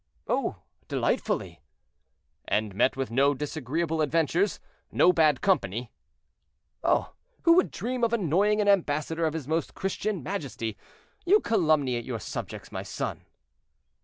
"Oh! delightfully." "And met with no disagreeable adventures—no bad company?" "Oh! who would dream of annoying an ambassador of his Most Christian Majesty? You calumniate your subjects, my son."